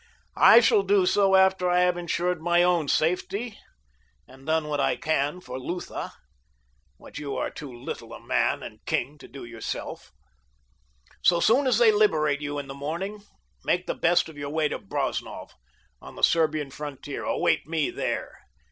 I shall do so after I have insured my own safety and done what I can for Lutha—what you are too little a man and king to do yourself. "So soon as they liberate you in the morning, make the best of your way to Brosnov, on the Serbian frontier. Await me there.